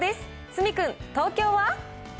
角君、東京は。